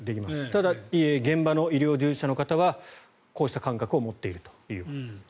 ただ、現場の医療従事者の方はこうした感覚を持っているという。